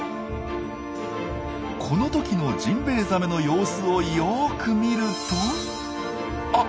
この時のジンベエザメの様子をよく見るとあ！